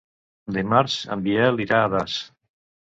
Dimarts en Biel irà a Das.